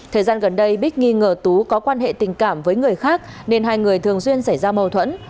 thời gian gần đây bích nghi ngờ tú có quan hệ tình cảm với người khác nên hai người thường xuyên xảy ra mâu thuẫn